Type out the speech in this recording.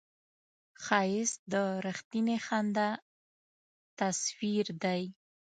ښایست د رښتینې خندا تصویر دی